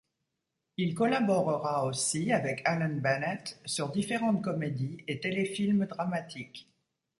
Il collaborera aussi avec Alan Bennett sur différentes comédies et téléfilm dramatiques.